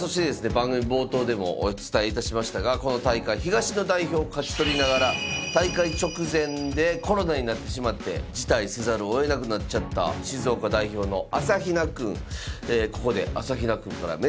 番組冒頭でもお伝えいたしましたがこの大会東の代表を勝ち取りながら大会直前でコロナになってしまって辞退せざるをえなくなっちゃった静岡代表の朝比奈くん。